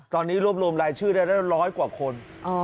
ตอนนี้รวบรวมรายชื่อได้แล้วร้อยกว่าคน